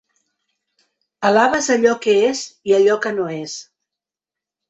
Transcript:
Alabes allò que és i allò que no és.